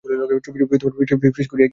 চুপি চুপি ফিস ফিস করিয়া কি বলিল।